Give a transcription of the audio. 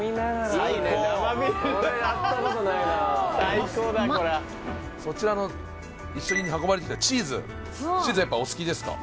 こちらの一緒に運ばれてきたチーズチーズやっぱお好きですか？